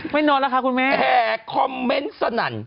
แฮคอมเมนท์สนั่น